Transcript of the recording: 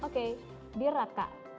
oke dear raka